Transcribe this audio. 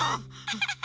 ハハハ！